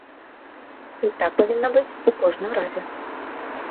І так павінна быць у кожным разе.